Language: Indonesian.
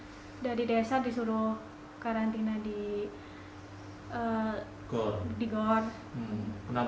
sudah di desa disuruh karantina di gor